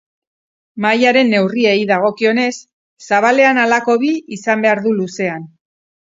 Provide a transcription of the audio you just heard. Mahaiaren neurriei dagokionez, zabalean halako bi izan behar du luzean.